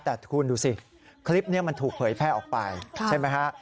แต่คุณดูสิคลิปนี้มันถูกเผยแพร่ออกไปใช่ไหมฮะ